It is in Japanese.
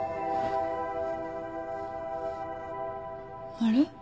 あれ？